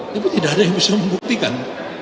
tapi tidak ada yang bisa membuktikan